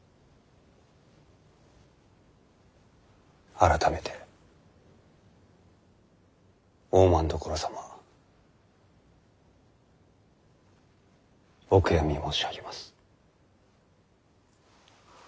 改めて大政所様お悔やみ申し上げます。